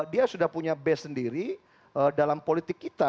dia sudah punya base sendiri dalam politik kita